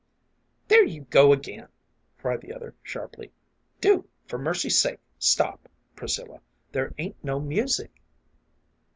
" There you go agin !" cried the other, sharply. " Do, for mercy's sake, stop, Priscilla. There ain't no music."